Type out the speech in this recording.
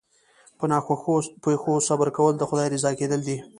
په ناخوښو پېښو صبر کول د خدای رضا کېدل دي.